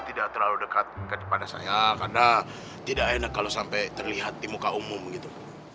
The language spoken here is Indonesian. tidak terlalu dekat kepada saya karena tidak enak kalau sampai terlihat di muka umum gitu